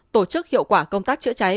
tổ chức hiệu quả công tác chữa cháy